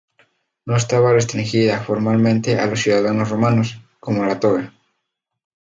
No estaba restringida formalmente a los ciudadanos romanos, como la toga.